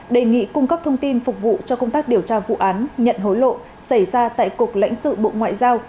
đề nghị cung cấp thông tin phục vụ cho công tác điều tra vụ án nhận hối lộ xảy ra tại cục lãnh sự bộ ngoại giao